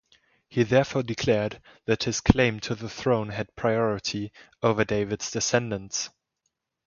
He therefore declared that his claim to the throne had priority over David's descendants.